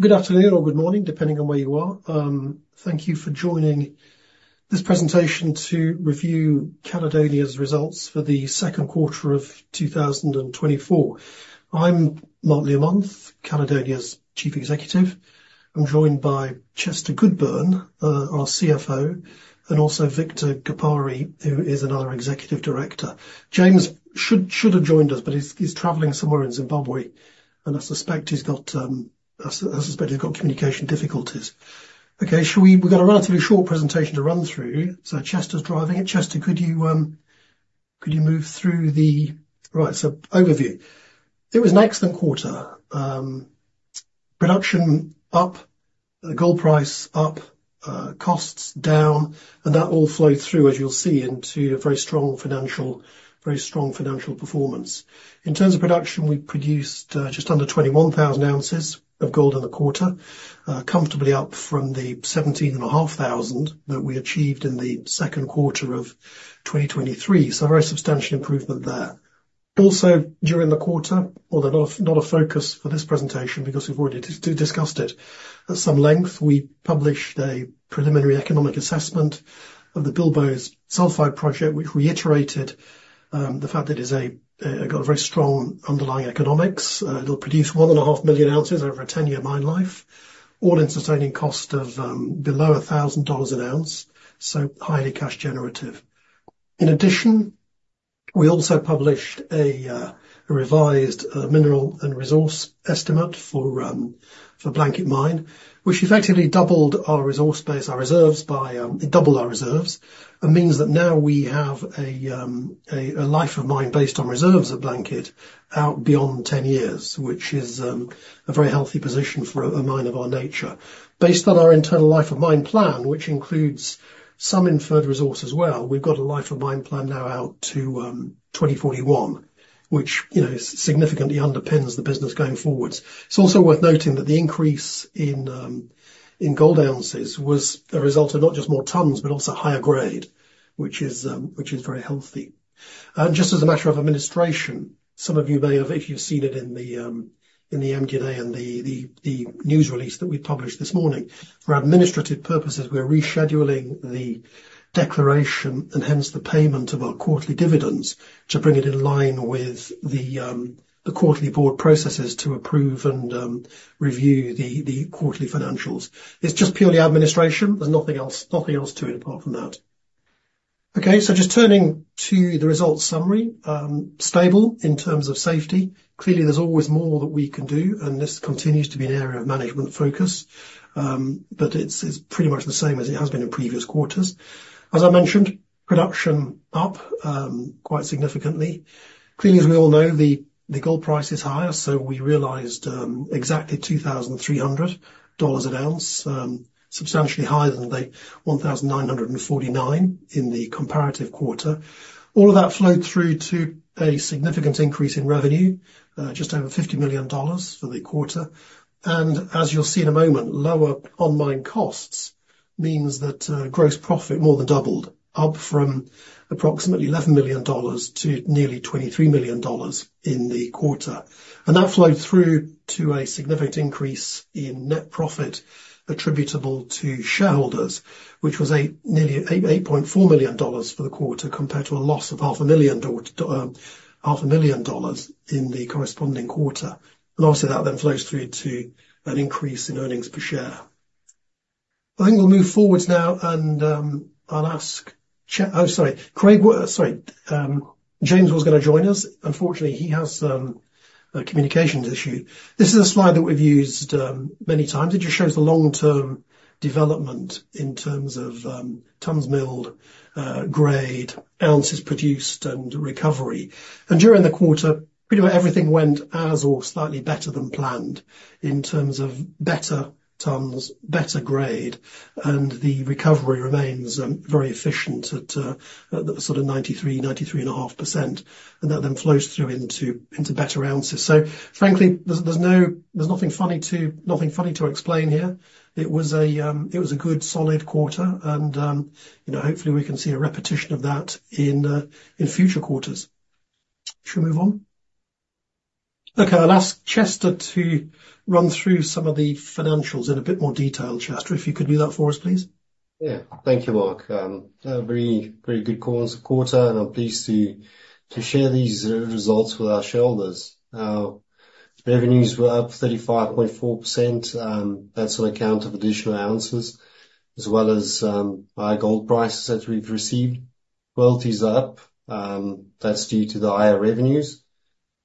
Good afternoon or good morning, depending on where you are. Thank you for joining this presentation to review Caledonia's results for the second quarter of 2024. I'm Mark Learmonth, Caledonia's Chief Executive. I'm joined by Chester Goodburn, our CFO, and also Victor Gapare, who is another executive director. James should have joined us, but he's traveling somewhere in Zimbabwe, and I suspect he's got communication difficulties. Okay, shall we. We've got a relatively short presentation to run through, so Chester's driving it. Chester, could you move through the. Right, so overview. It was an excellent quarter. Production up, the gold price up, costs down, and that all flowed through, as you'll see, into a very strong financial, very strong financial performance. In terms of production, we produced just under 21,000 ounces of gold in the quarter. Comfortably up from the 17,500 that we achieved in the second quarter of 2023. So a very substantial improvement there. Also, during the quarter, although not a focus for this presentation, because we've already discussed it at some length, we published a Preliminary Economic Assessment of the Bilboes Sulphide Project, which reiterated the fact that it's got a very strong underlying economics. It'll produce 1.5 million ounces over a 10-year mine life, all-in sustaining cost of below $1,000 an ounce, so highly cash generative. In addition, we also published a revised Mineral and Resource Estimate for Blanket Mine, which effectively doubled our resource base, our reserves, by it doubled our reserves. And means that now we have a life of mine based on reserves at Blanket out beyond 10 years, which is a very healthy position for a mine of our nature. Based on our internal life of mine plan, which includes some inferred resource as well, we've got a life of mine plan now out to 2041, which, you know, significantly underpins the business going forwards. It's also worth noting that the increase in gold ounces was a result of not just more tons, but also higher grade, which is very healthy. Just as a matter of administration, some of you may have, if you've seen it in the, in the MD&A and the, the, the news release that we published this morning. For administrative purposes, we're rescheduling the declaration and hence the payment of our quarterly dividends to bring it in line with the, the quarterly board processes to approve and, review the, the quarterly financials. It's just purely administration. There's nothing else, nothing else to it apart from that. Okay, so just turning to the results summary. Stable in terms of safety. Clearly, there's always more that we can do, and this continues to be an area of management focus. But it's, it's pretty much the same as it has been in previous quarters. As I mentioned, production up, quite significantly. Clearly, as we all know, the gold price is higher, so we realized exactly $2,300 an ounce, substantially higher than the $1,949 in the comparative quarter. All of that flowed through to a significant increase in revenue, just over $50 million for the quarter. As you'll see in a moment, lower on-mine costs means that gross profit more than doubled, up from approximately $11 million to nearly $23 million in the quarter. That flowed through to a significant increase in net profit attributable to shareholders, which was nearly $8.4 million for the quarter, compared to a loss of $500,000 in the corresponding quarter. Obviously, that then flows through to an increase in earnings per share. I think we'll move forward now and, I'll ask Chester. Oh, sorry, James was gonna join us. Unfortunately, he has a communications issue. This is a slide that we've used many times. It just shows the long-term development in terms of tons milled, grade, ounces produced, and recovery. And during the quarter, pretty much everything went as or slightly better than planned in terms of better tons, better grade, and the recovery remains very efficient at sort of 93%-93.5%, and that then flows through into better ounces. So frankly, there's nothing funny to explain here. It was a good solid quarter, and you know, hopefully, we can see a repetition of that in future quarters. Shall we move on? Okay, I'll ask Chester to run through some of the financials in a bit more detail. Chester, if you could do that for us, please. Yeah. Thank you, Mark. A very, very good quarter, and I'm pleased to share these results with our shareholders. Our revenues were up 35.4%, that's on account of additional ounces, as well as high gold prices that we've received. Royalties are up, that's due to the higher revenues.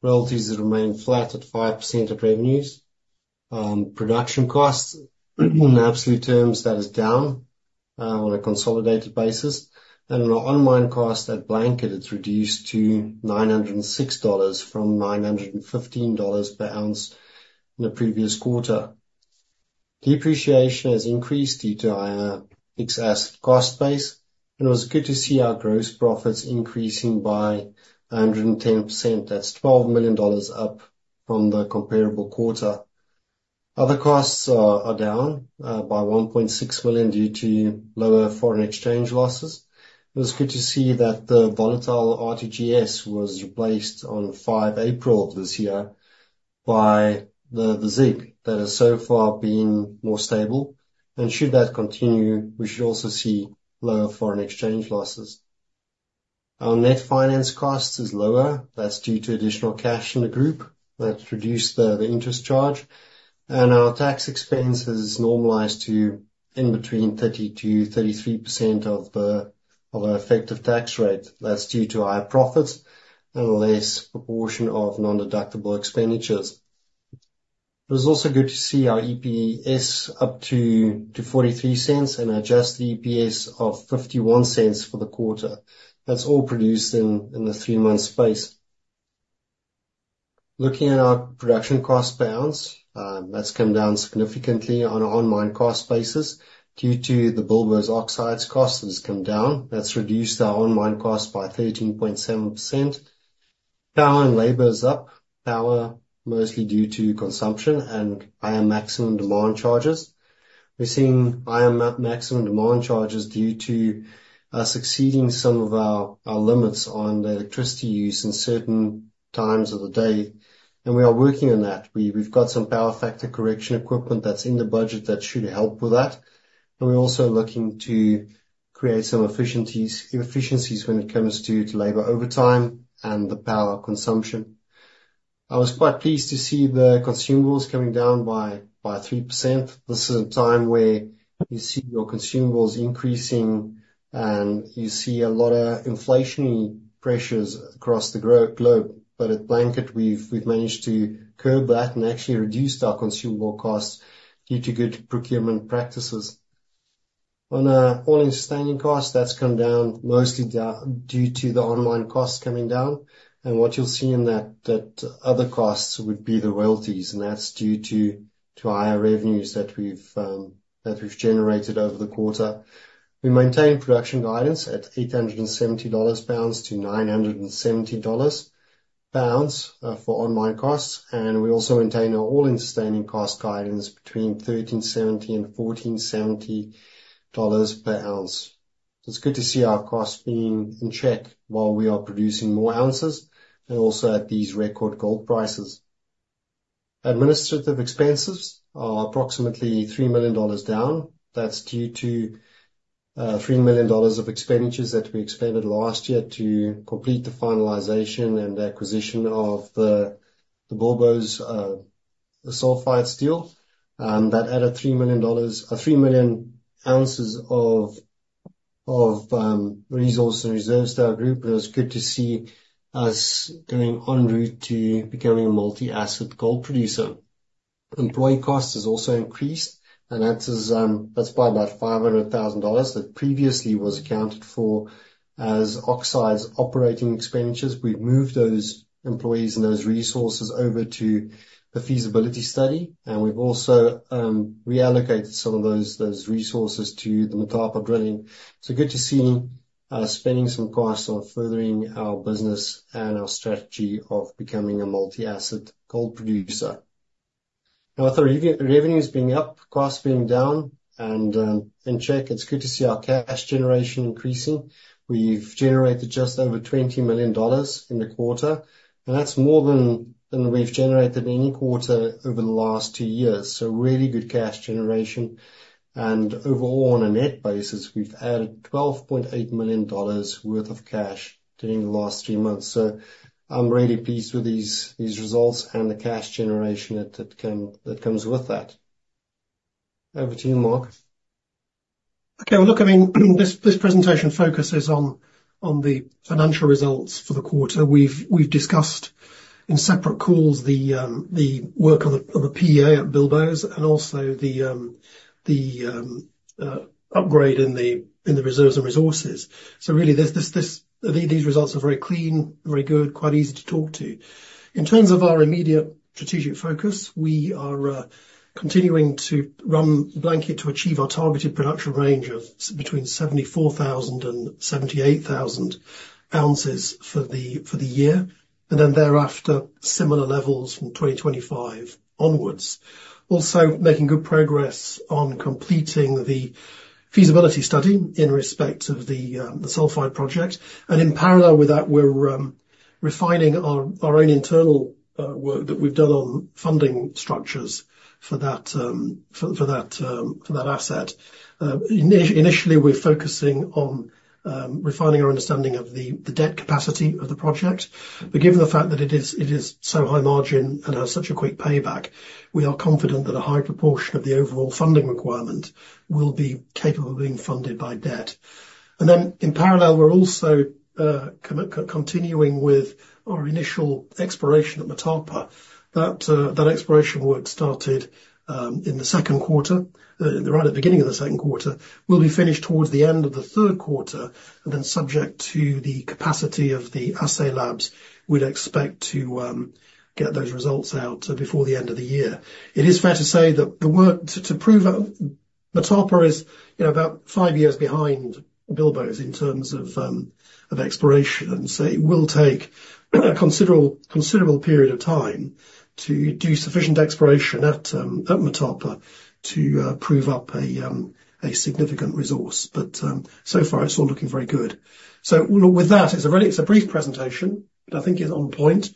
Royalties remain flat at 5% of revenues. Production costs, in absolute terms, that is down, on a consolidated basis, and our on-mine cost at Blanket, it's reduced to $906 from $915 per ounce in the previous quarter. Depreciation has increased due to higher fixed asset cost base, and it was good to see our gross profits increasing by 110%. That's $12 million up from the comparable quarter. Other costs are down by $1.6 million due to lower foreign exchange losses. It was good to see that the volatile RTGS was replaced on 5 April of this year by the ZiG. That has so far been more stable. And should that continue, we should also see lower foreign exchange losses. Our net finance cost is lower. That's due to additional cash in the group. That's reduced the interest charge, and our tax expense is normalized to in between 30%-33% of our effective tax rate. That's due to higher profits and less proportion of non-deductible expenditures. It was also good to see our EPS up to $0.43 and Adjusted EPS of $0.51 for the quarter. That's all produced in the three-month space. Looking at our production cost per ounce, that's come down significantly on an all-in cost basis due to the Bilboes Oxides cost has come down. That's reduced our all-in cost by 13.7%. Power and labor is up. Power, mostly due to consumption and higher maximum demand charges. We're seeing higher maximum demand charges due to exceeding some of our limits on the electricity use in certain times of the day, and we are working on that. We've got some power factor correction equipment that's in the budget that should help with that, and we're also looking to create some efficiencies when it comes to labor overtime and the power consumption. I was quite pleased to see the consumables coming down by 3%. This is a time where you see your consumables increasing, and you see a lot of inflationary pressures across the globe, but at Blanket we've managed to curb that and actually reduce our consumable costs due to good procurement practices. On our all-in sustaining costs, that's come down mostly due to the on-mine costs coming down, and what you'll see in that other costs would be the royalties, and that's due to higher revenues that we've generated over the quarter. We maintained production guidance at $870-$970 per ounce for all mine costs, and we also maintain our all-in sustaining cost guidance between $1,370 and $1,470 per ounce. It's good to see our costs being in check while we are producing more ounces, and also at these record gold prices. Administrative expenses are approximately $3 million down. That's due to $3 million of expenditures that we expended last year to complete the finalization and acquisition of the Bilboes Sulphide deal. That added 3 million ounces of resource and reserves to our group, and it's good to see us going en route to becoming a multi-asset gold producer. Employee costs has also increased, and that is, that's by about $500,000 that previously was accounted for as oxides operating expenditures. We've moved those employees and those resources over to the feasibility study, and we've also reallocated some of those resources to the Motapa drilling. Good to see spending some costs on furthering our business and our strategy of becoming a multi-asset gold producer. Now, with our revenues being up, costs being down, and in check, it's good to see our cash generation increasing. We've generated just over $20 million in the quarter, and that's more than we've generated in any quarter over the last two years, so really good cash generation. Overall, on a net basis, we've added $12.8 million worth of cash during the last three months, so I'm really pleased with these results and the cash generation that comes with that. Over to you, Mark. Okay, well, look, I mean, this presentation focuses on the financial results for the quarter. We've discussed in separate calls the work on the PEA at Bilboes and also the upgrade in the reserves and resources. So really, these results are very clean, very good, quite easy to talk to. In terms of our immediate strategic focus, we are continuing to run Blanket to achieve our targeted production range of between 74,000 and 78,000 ounces for the year, and then thereafter, similar levels from 2025 onwards. Also, making good progress on completing the feasibility study in respect of the sulfide project, and in parallel with that, we're refining our own internal work that we've done on funding structures for that asset. Initially, we're focusing on refining our understanding of the debt capacity of the project, but given the fact that it is so high margin and has such a quick payback, we are confident that a high proportion of the overall funding requirement will be capable of being funded by debt. And then, in parallel, we're also continuing with our initial exploration at Motapa. That exploration work started in the second quarter, right at the beginning of the second quarter, will be finished towards the end of the third quarter, and then subject to the capacity of the assay labs, we'd expect to get those results out before the end of the year. It is fair to say that the work to prove out Motapa is, you know, about five years behind Bilboes in terms of of exploration. So it will take a considerable period of time to do sufficient exploration at at Motapa to prove up a significant resource. But so far it's all looking very good. So with that, it's a very it's a brief presentation, but I think it's on point.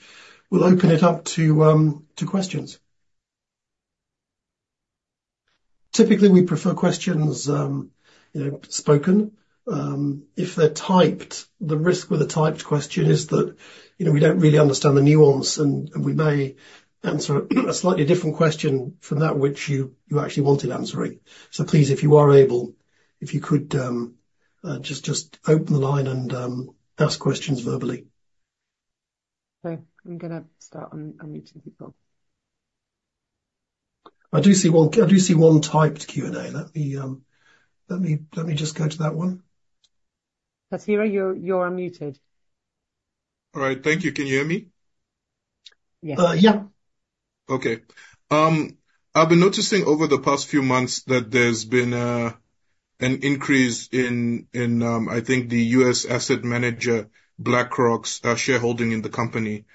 We'll open it up to questions. Typically, we prefer questions, you know, spoken. If they're typed, the risk with a typed question is that, you know, we don't really understand the nuance, and we may answer a slightly different question from that which you actually wanted answering. So please, if you are able, if you could, just open the line and ask questions verbally. I'm gonna start unmuting people. I do see one typed Q&A. Let me just go to that one. Tatira, you're unmuted. All right. Thank you. Can you hear me? Yes. Uh, yeah. Okay. I've been noticing over the past few months that there's been an increase in, I think, the US asset manager, BlackRock's, shareholding in the company,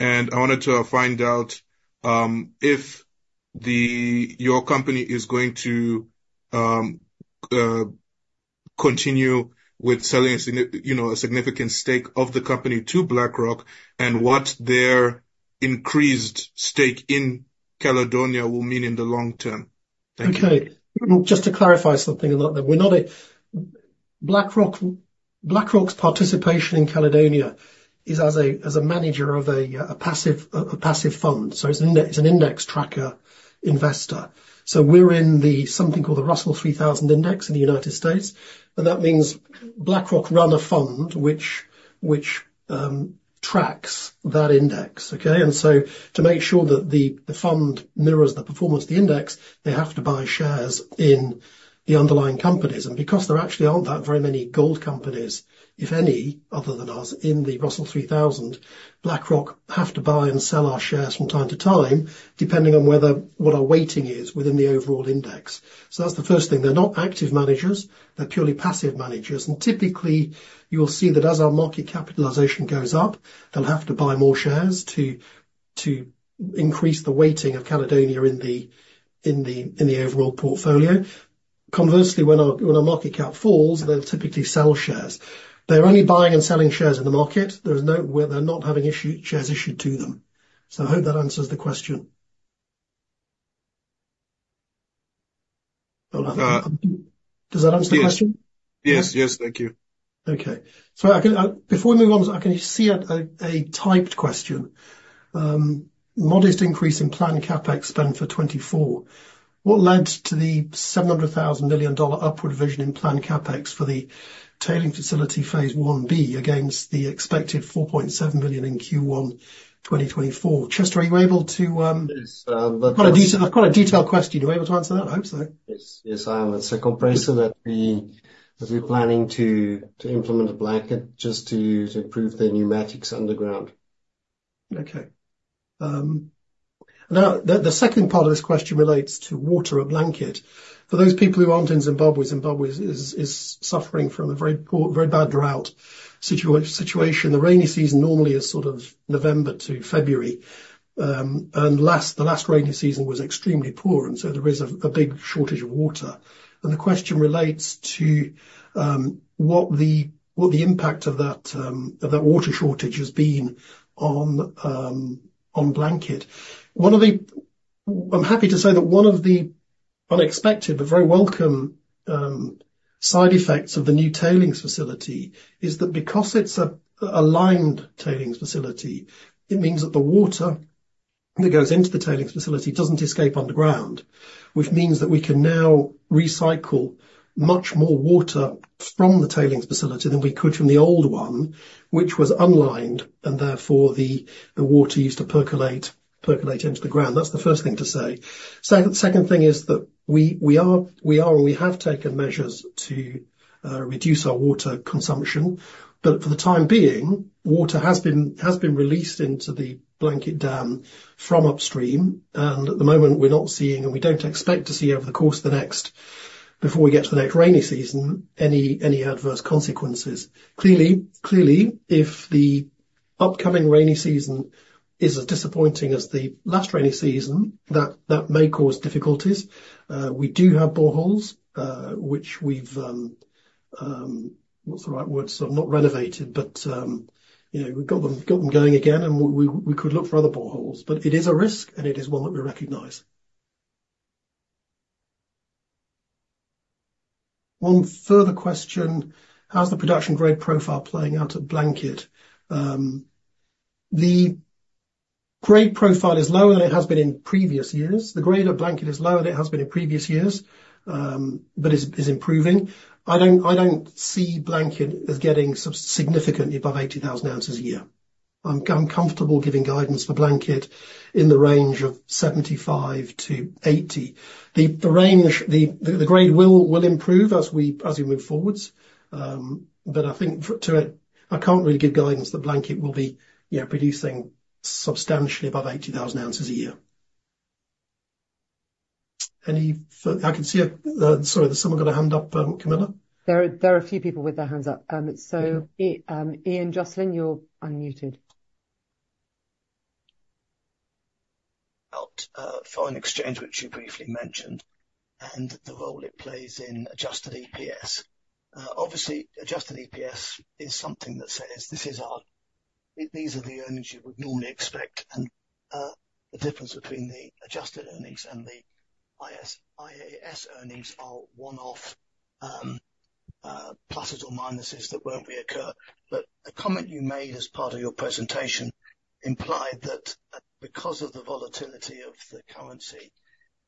and I wanted to find out if your company is going to continue with selling a, you know, a significant stake of the company to BlackRock, and what their increased stake in Caledonia will mean in the long term. Thank you. Okay. Well, just to clarify something about that. We're not a BlackRock. BlackRock's participation in Caledonia is as a manager of a passive fund, so it's an index tracker investor. So we're in something called the Russell 3000 Index in the United States, and that means BlackRock run a fund which tracks that index, okay? And so to make sure that the fund mirrors the performance of the index, they have to buy shares in the underlying companies. And because there actually aren't that very many gold companies, if any, other than us in the Russell 3000, BlackRock have to buy and sell our shares from time to time, depending on what our weighting is within the overall index. So that's the first thing. They're not active managers, they're purely passive managers. Typically, you'll see that as our market capitalization goes up, they'll have to buy more shares to increase the weighting of Caledonia in the overall portfolio. Conversely, when our market cap falls, they'll typically sell shares. They're only buying and selling shares in the market. There's no way... They're not having shares issued to them. So I hope that answers the question. Does that answer the question? Yes. Yes, thank you. Okay. So I can before we move on, I can see a typed question. Modest increase in planned CapEx spend for 2024. What led to the $700 million upward revision in planned CapEx for the tailings facility Phase 1B, against the expected $4.7 billion in Q1 2024? Chester, are you able to Yes, but- Quite a detail, quite a detailed question. Are you able to answer that? I hope so. Yes. Yes, I am. It's a compressor that we're planning to implement at Blanket, just to improve the pneumatics underground. Okay. Now, the second part of this question relates to water at Blanket. For those people who aren't in Zimbabwe, Zimbabwe is suffering from a very poor, very bad drought situation. The rainy season normally is sort of November to February, and the last rainy season was extremely poor, and so there is a big shortage of water. And the question relates to what the impact of that of that water shortage has been on Blanket. One of the... I'm happy to say that one of the unexpected, but very welcome, side effects of the new tailings facility is that because it's a lined tailings facility, it means that the water that goes into the tailings facility doesn't escape underground. Which means that we can now recycle much more water from the tailings facility than we could from the old one, which was unlined, and therefore the water used to percolate into the ground. That's the first thing to say. Second thing is that we are, and we have taken measures to reduce our water consumption, but for the time being, water has been released into the Blanket Dam from upstream, and at the moment, we're not seeing, and we don't expect to see over the course of the next, before we get to the next rainy season, any adverse consequences. Clearly, if the upcoming rainy season is as disappointing as the last rainy season, that may cause difficulties. We do have boreholes, which we've, what's the right word? Sort of, not renovated, but, you know, we've got them, got them going again, and we, we, we could look for other boreholes. But it is a risk, and it is one that we recognize. One further question: How's the production grade profile playing out at Blanket? The grade profile is lower than it has been in previous years. The grade at Blanket is lower than it has been in previous years, but is improving. I don't, I don't see Blanket as getting substantially above 80,000 ounces a year. I'm comfortable giving guidance for Blanket in the range of 75-80. The range, the grade will improve as we, as we move forward. But I think for, to... I can't really give guidance that Blanket will be, you know, producing substantially above 80,000 ounces a year. I can see a... Sorry, has someone got a hand up, Camilla? There are a few people with their hands up. So, Ian Joscelyne, you're unmuted. Foreign exchange, which you briefly mentioned, and the role it plays in Adjusted EPS. Obviously, Adjusted EPS is something that says, "This is—these are the earnings you would normally expect," and, the difference between the Adjusted earnings and the IFRS earnings are one-off, plusses or minuses that won't reoccur. But a comment you made as part of your presentation implied that, because of the volatility of the currency,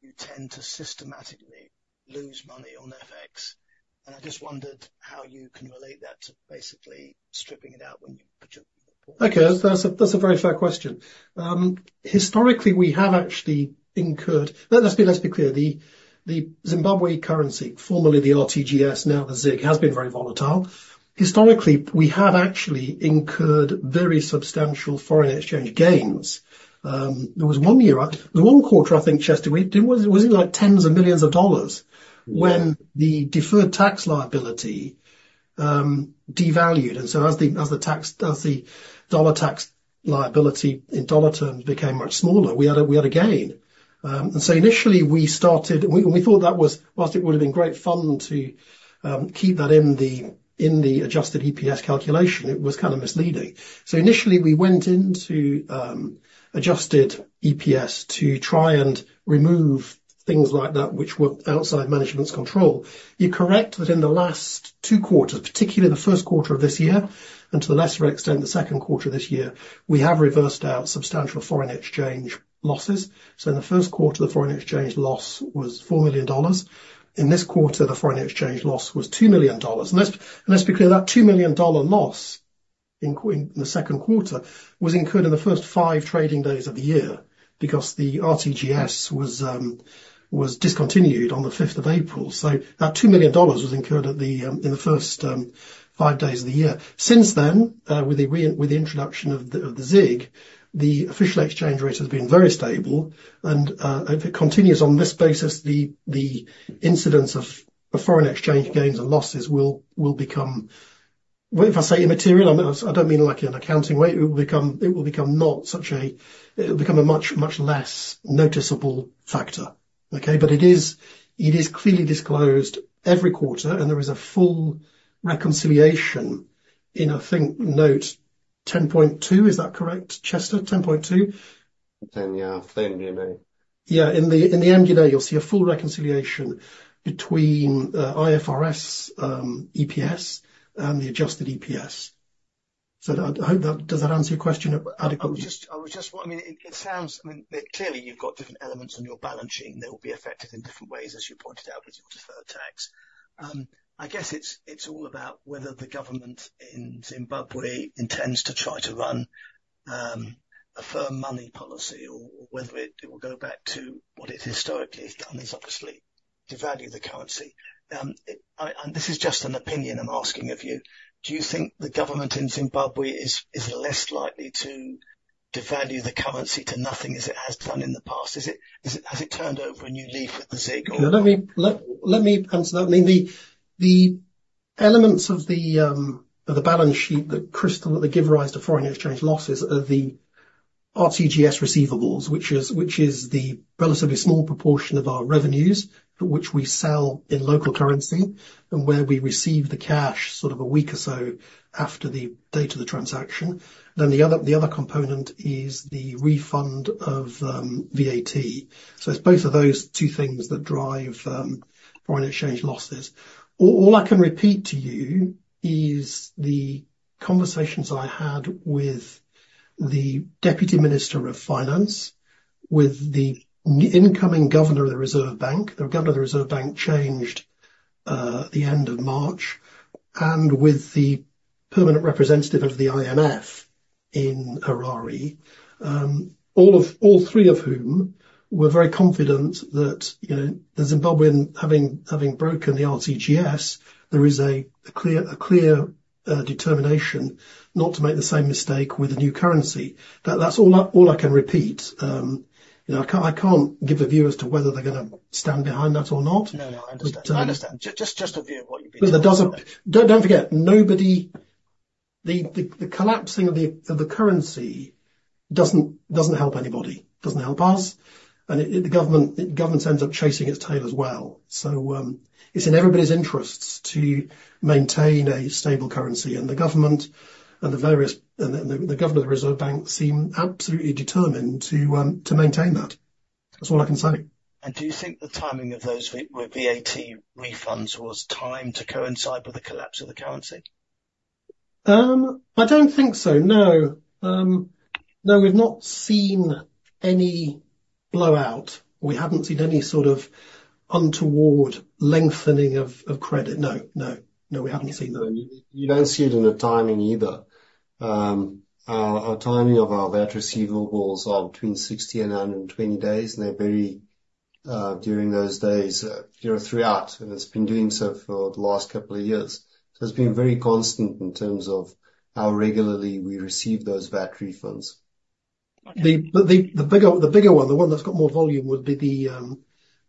you tend to systematically lose money on FX, and I just wondered how you can relate that to basically stripping it out when you put your reports- Okay, that's a very fair question. Historically, we have actually incurred... Let's be clear, the Zimbabwe currency, formerly the RTGS, now the ZiG, has been very volatile. Historically, we have actually incurred very substantial foreign exchange gains. There was one quarter, I think, Chester, it was, was it like $tens of millions of dollars- When the deferred tax liability devalued. And so as the, as the tax, as the dollar tax liability in dollar terms became much smaller, we had a, we had a gain. And so initially we started, and we thought that was, whilst it would've been great fun to keep that in the, in the Adjusted EPS calculation, it was kind of misleading. So initially we went into Adjusted EPS to try and remove things like that which were outside management's control. You're correct that in the last 2 quarters, particularly the first quarter of this year, and to a lesser extent, the second quarter of this year, we have reversed out substantial foreign exchange losses. So in the first quarter, the foreign exchange loss was $4 million. In this quarter, the foreign exchange loss was $2 million. And let's be clear, that $2 million loss in the second quarter was incurred in the first five trading days of the year, because the RTGS was discontinued on the fifth of April. So that $2 million was incurred in the first five days of the year. Since then, with the introduction of the ZiG, the official exchange rate has been very stable, and if it continues on this basis, the incidence of foreign exchange gains and losses will become, well, if I say immaterial, I'm, I don't mean like in an accounting way. It will become not such a—it'll become a much, much less noticeable factor. Okay? But it is, it is clearly disclosed every quarter, and there is a full reconciliation in, I think, note 10.2. Is that correct, Chester, 10.2? 10, yeah. The end year note. Yeah, in the end year note, you'll see a full reconciliation between IFRS, EPS and the Adjusted EPS. So I hope that— Does that answer your question adequately? I was just wondering—I mean, it sounds, I mean, clearly you've got different elements on your balance sheet that will be affected in different ways, as you pointed out with your deferred tax. I guess it's all about whether the government in Zimbabwe intends to try to run a firm money policy or whether it will go back to what it historically has done, is obviously devalue the currency. And this is just an opinion I'm asking of you: Do you think the government in Zimbabwe is less likely to devalue the currency to nothing, as it has done in the past? Is it, has it turned over a new leaf with the ZiG or- No, let me answer that. I mean, the elements of the balance sheet that give rise to foreign exchange losses are the RTGS receivables, which is the relatively small proportion of our revenues for which we sell in local currency, and where we receive the cash sort of a week or so after the date of the transaction. Then the other component is the refund of VAT. So it's both of those two things that drive foreign exchange losses. All I can repeat to you is the conversations I had with the Deputy Minister of Finance, with the new incoming governor of the Reserve Bank. The governor of the Reserve Bank changed at the end of March, and with the permanent representative of the IMF in Harare, all of, all three of whom were very confident that, you know, the Zimbabwean, having broken the RTGS, there is a clear determination not to make the same mistake with the new currency. But that's all I can repeat. You know, I can't give a view as to whether they're gonna stand behind that or not. No, no, I understand. But, uh- I understand. Just a view of what you've been told. But that doesn't... Don't forget, nobody, the collapsing of the currency doesn't help anybody. Doesn't help us, and it, the government ends up chasing its tail as well. So, it's in everybody's interests to maintain a stable currency, and the government and the various, and the governor of the Reserve Bank seem absolutely determined to maintain that. That's all I can say. Do you think the timing of those VAT refunds was timed to coincide with the collapse of the currency? I don't think so, no. No, we've not seen any blowout. We haven't seen any sort of untoward lengthening of credit. No, no. No, we haven't seen that. You don't see it in the timing either. Our timing of our VAT receivables are between 60 and 120 days, and they're very during those days, you know, throughout, and it's been doing so for the last couple of years. So it's been very constant in terms of how regularly we receive those VAT refunds. But the bigger one, the one that's got more volume, would be the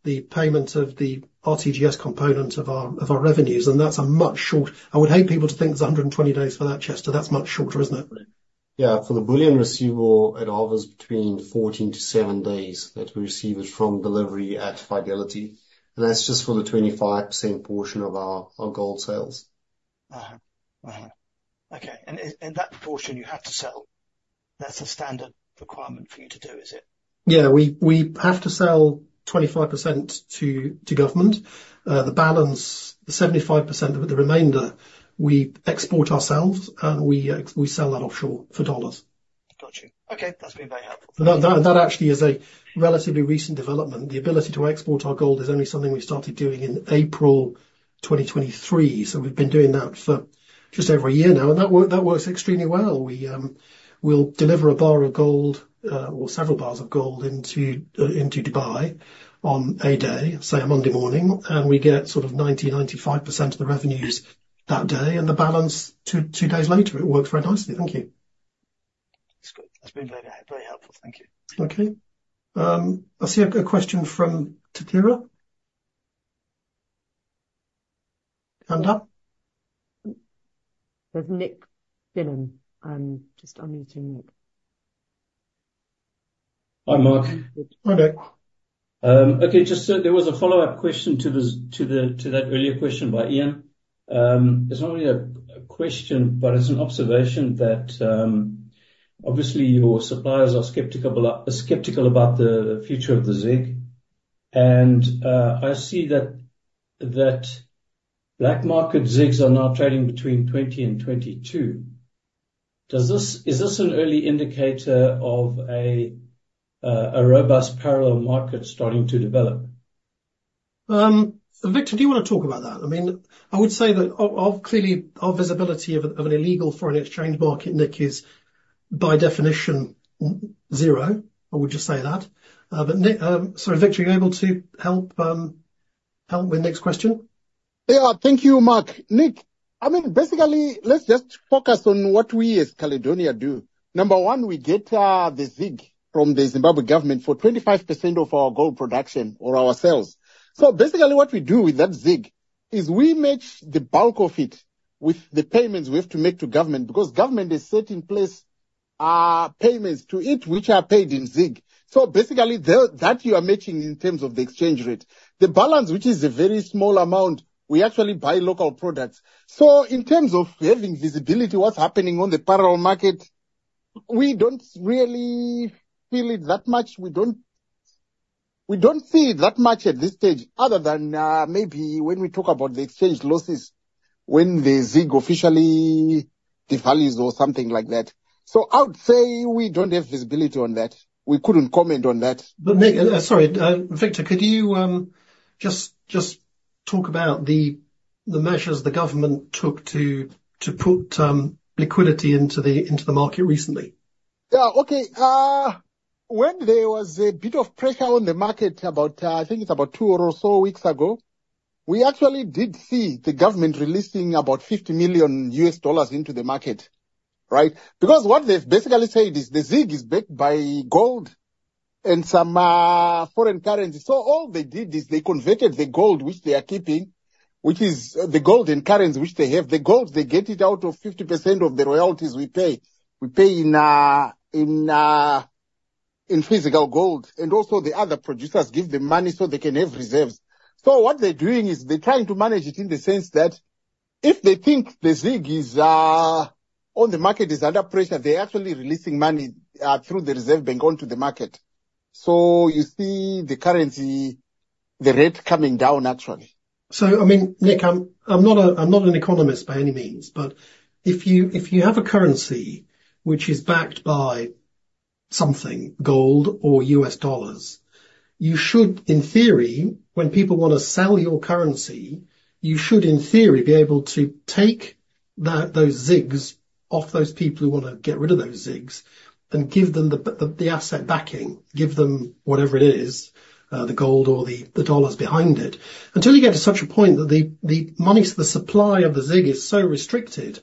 payment of the RTGS component of our revenues, and that's much shorter. I would hate people to think it's 120 days for that, Chester. That's much shorter, isn't it? Yeah, for the bullion receivable, it hovers between 14-7 days that we receive it from delivery at Fidelity. And that's just for the 25% portion of our, our gold sales. Okay, and, and that portion you have to sell, that's a standard requirement for you to do, is it? Yeah, we have to sell 25% to government. The balance, the 75%, the remainder, we export ourselves, and we sell that offshore for dollars. Got you. Okay, that's been very helpful. That actually is a relatively recent development. The ability to export our gold is only something we started doing in April 2023, so we've been doing that for just over a year now, and that works extremely well. We'll deliver a bar of gold or several bars of gold into Dubai on a day, say, a Monday morning, and we get sort of 90%-95% of the revenues that day, and the balance two days later. It works very nicely. Thank you. That's good. That's been very helpful. Thank you. Okay. I see a question from Tatira Zwinoira? There's Nick Billings. I'm just unmuting Nick. Hi, Mark. Hi, Nick. Okay, just, there was a follow-up question to that earlier question by Ian. It's not really a question, but it's an observation that, obviously, your suppliers are skeptical about the future of the ZiG, and, I see that black market ZiGs are now trading between 20 and 22. Does this... Is this an early indicator of a robust parallel market starting to develop? Victor, do you wanna talk about that? I mean, I would say that of, clearly, our visibility of, of an illegal foreign exchange market, Nick, is, by definition, zero. I would just say that. But Nick, sorry, Victor, are you able to help with Nick's question? Yeah. Thank you, Mark. Nick, I mean, basically, let's just focus on what we as Caledonia do. Number one, we get the ZiG from the Zimbabwe government for 25% of our gold production or our sales. So basically, what we do with that ZiG is we match the bulk of it with the payments we have to make to government, because government has set in place payments to it, which are paid in ZiG. So basically, that you are matching in terms of the exchange rate. The balance, which is a very small amount, we actually buy local products. So in terms of having visibility, what's happening on the parallel market, we don't really feel it that much. We don't, we don't see it that much at this stage, other than, maybe when we talk about the exchange losses, when the ZiG officially devalues or something like that. So I would say we don't have visibility on that. We couldn't comment on that. But Nick, sorry, Victor, could you just talk about the measures the government took to put liquidity into the market recently? Yeah, okay. When there was a bit of pressure on the market about, I think it's about two or so weeks ago, we actually did see the government releasing about $50 million into the market, right? Because what they've basically said is, the ZiG is backed by gold and some, foreign currency. So all they did is they converted the gold, which they are keeping, which is the gold and currency which they have. The gold, they get it out of 50% of the royalties we pay. We pay in, in, in physical gold, and also the other producers give them money so they can have reserves. So what they're doing is they're trying to manage it in the sense that if they think the ZiG is, or the market is under pressure, they're actually releasing money, through the Reserve Bank onto the market. So you see the currency, the rate coming down, actually. So, I mean, Nick, I'm not an economist by any means, but if you have a currency which is backed by something, gold or US dollars, you should, in theory, when people wanna sell your currency, you should, in theory, be able to take that, those ZiGs off those people who want to get rid of those ZiGs and give them the asset backing. Give them whatever it is, the gold or the dollars behind it, until you get to such a point that the money, the supply of the ZiG is so restricted,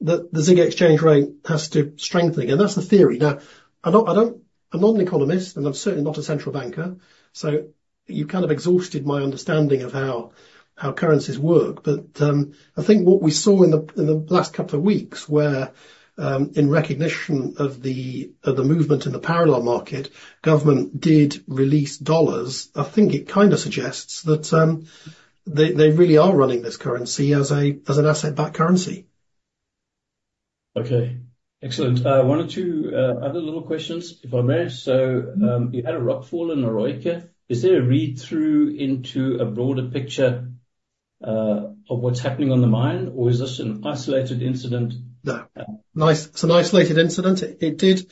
that the ZiG exchange rate has to strengthen, and that's the theory. Now, I don't—I'm not an economist, and I'm certainly not a central banker, so you've kind of exhausted my understanding of how currencies work. But, I think what we saw in the last couple of weeks, where in recognition of the movement in the parallel market, government did release dollars. I think it kind of suggests that they really are running this currency as an asset-backed currency. Okay, excellent. One or two other little questions, if I may. You had a rockfall in Eroica. Is there a read-through into a broader picture of what's happening on the mine, or is this an isolated incident? No, it's an isolated incident. It did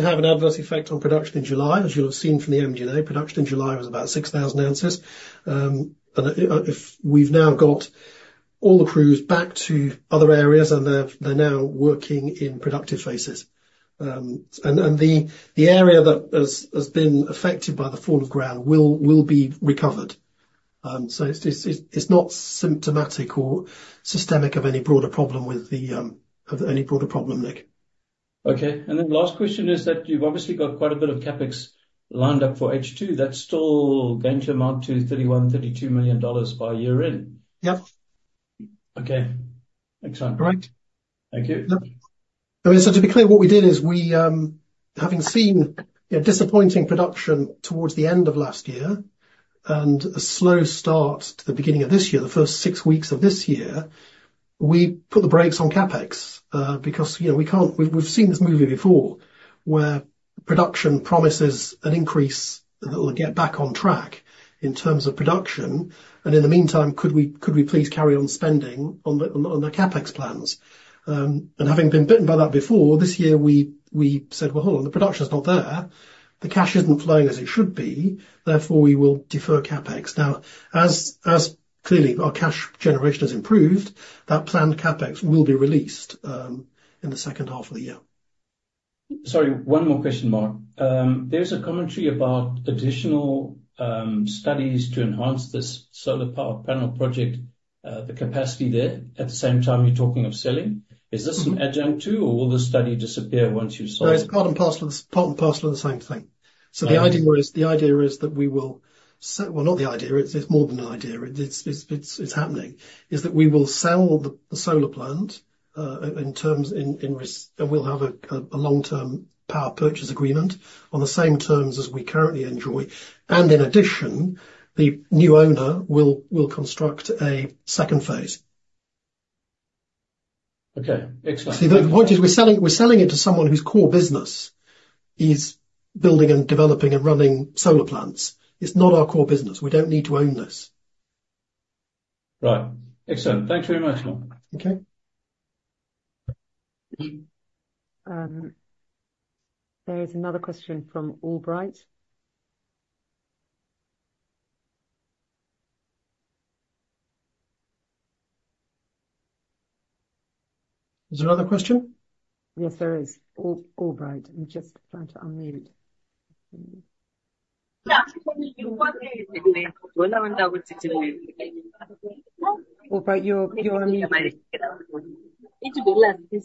have an adverse effect on production in July, as you'll have seen from the MD&A. Production in July was about 6,000 ounces. We've now got all the crews back to other areas, and they're now working in productive phases. And the area that has been affected by the fall of ground will be recovered. So it's not symptomatic or systemic of any broader problem, Nick. Okay, and then last question is that you've obviously got quite a bit of CapEx lined up for H2. That's still going to amount to $31 million-$32 million by year-end? Yep. Okay, excellent. Great. Thank you. I mean, so to be clear, what we did is we, having seen a disappointing production towards the end of last year and a slow start to the beginning of this year, the first 6 weeks of this year, we put the brakes on CapEx, because, you know, we can't. We've, we've seen this movie before, where production promises an increase that will get back on track in terms of production, and in the meantime, could we, could we please carry on spending on the, on the CapEx plans? And having been bitten by that before, this year, we, we said, "Well, hold on. The production's not there. The cash isn't flowing as it should be, therefore, we will defer CapEx." Now, as clearly our cash generation has improved, that planned CapEx will be released in the second half of the year. Sorry, one more question, Mark. There's a commentary about additional studies to enhance this solar power panel project, the capacity there, at the same time you're talking of selling. Is this an adjunct too, or will the study disappear once you've sold? No, it's part and parcel, part and parcel of the same thing. All right. So the idea is that we will—well, not the idea, it's happening—that we will sell the solar plant in terms and we'll have a long-term power purchase agreement on the same terms as we currently enjoy, and in addition, the new owner will construct a second phase. Okay, excellent. See, the point is, we're selling, we're selling it to someone whose core business is building and developing and running solar plants. It's not our core business. We don't need to own this. Right. Excellent. Thank you very much, Mark. Okay. There is another question from Albright. Is there another question? Yes, there is. Albright, I'm just trying to unmute. Oh, but you're on mute.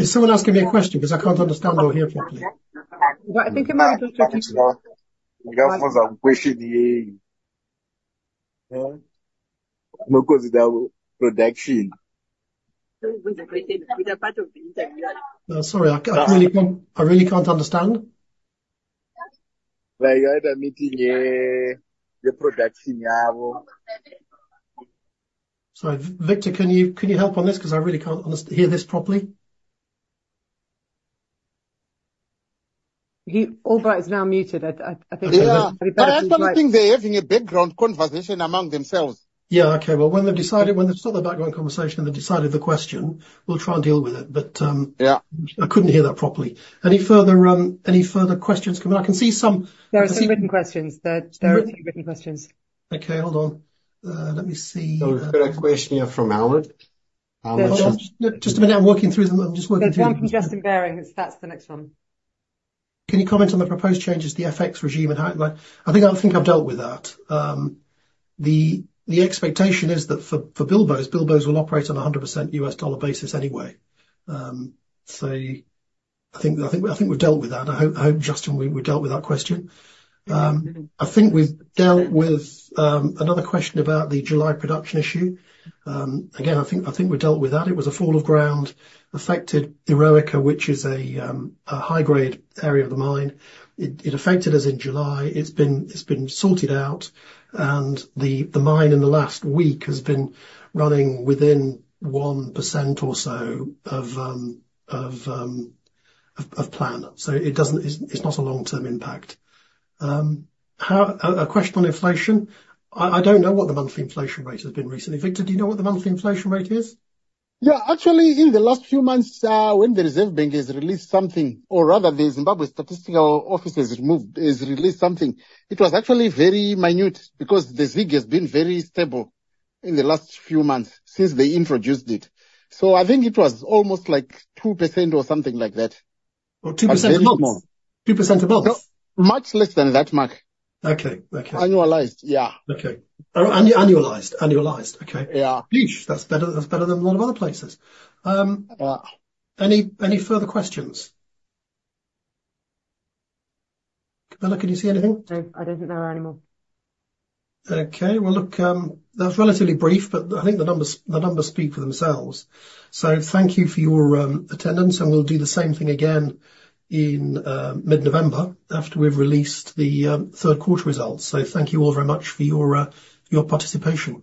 Is someone asking me a question? Because I can't understand what I'm hearing properly. Well, I think it might just be- Question here. Huh? Because of production. No, sorry. I really can't understand. Like, I had a meeting here, the production now. Sorry, Victor, can you help on this? Because I really can't hear this properly. Albright is now muted. I think- Yeah, but I think they're having a background conversation among themselves. Yeah. Okay. Well, when they've decided, when they've stopped the background conversation, and they've decided the question, we'll try and deal with it. But, Yeah... I couldn't hear that properly. Any further, any further questions coming? I can see some- There are some written questions. There, there are a few written questions. Okay, hold on. Let me see, We've got a question here from Albert. Albert says- Just a minute, I'm working through them. I'm just working through them. There's one from Justin Baring, that's, that's the next one. Can you comment on the proposed changes to the FX regime and how,"... I think, I think I've dealt with that. The expectation is that for Bilboes, Bilboes will operate on a 100% US dollar basis anyway. So I think, I think, I think we've dealt with that. I hope, I hope, Justin, we, we dealt with that question. I think we've dealt with another question about the July production issue. Again, I think, I think we've dealt with that. It was a fall of ground, affected Eroica, which is a high-grade area of the mine. It affected us in July. It's been sorted out, and the mine, in the last week, has been running within 1% or so of plan. So it doesn't. It's not a long-term impact. A question on inflation. I don't know what the monthly inflation rate has been recently. Victor, do you know what the monthly inflation rate is? Yeah. Actually, in the last few months, when the Reserve Bank has released something, or rather the Zimbabwe Statistical Office has released something, it was actually very minute because the ZiG has been very stable in the last few months since they introduced it. So I think it was almost like 2% or something like that. Oh, 2% a month? Much more. 2% a month? Much less than that, Mark. Okay. Okay. Annualized, yeah. Okay. Annualized, okay. Yeah. Nice, that's better, that's better than a lot of other places. Yeah. Any further questions? Camilla, can you see anything? No, I don't think there are any more. Okay, well, look, that was relatively brief, but I think the numbers, the numbers speak for themselves. Thank you for your attendance, and we'll do the same thing again in mid-November after we've released the third quarter results. Thank you all very much for your participation.